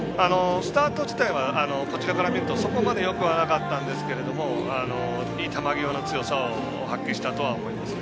スタート自体はこちらから見るとそこまでよくはなかったんですがいい球際の強さを発揮したと思います。